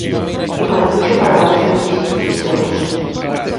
Tipo de fluxo para o manexo de ficheiros.